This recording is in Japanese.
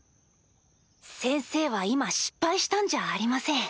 先生は今失敗したんじゃありません。